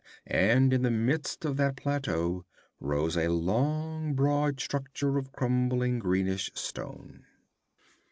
And in the midst of that plateau rose a long broad structure of crumbling greenish stone.